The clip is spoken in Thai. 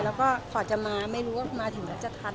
แล้วก็พอจะมาไม่รู้ว่ามาถึงแล้วจะทัน